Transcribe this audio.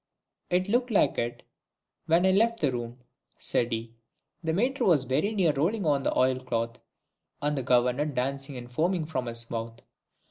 "It looked like it when I left the room," said he; "the Mater was very near rolling on the oilcloth, and the Governor dancing and foaming from his mouth.